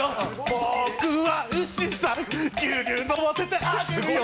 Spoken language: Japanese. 僕は牛さん、牛乳飲ませてあげるよ